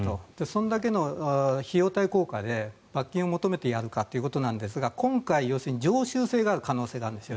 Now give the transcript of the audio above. それだけの費用対効果で罰金を求めてやるかということなんですが今回、要するに常習性がある可能性があるんです。